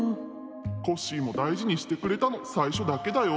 「コッシーもだいじにしてくれたのさいしょだけだよ」。